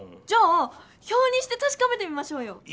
じゃあ表にしてたしかめてみましょうよ！